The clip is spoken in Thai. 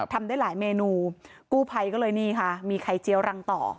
ทำได้หลายเมนูกู้ภัยก็เลยนี่ค่ะมีไข่เจียวรังต่อ